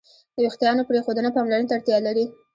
د وېښتیانو پرېښودنه پاملرنې ته اړتیا لري.